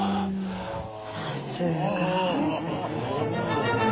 さすが。